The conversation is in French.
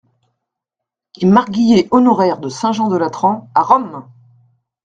Et marguillier honoraire de Saint-Jean-de-Latran… à Rome !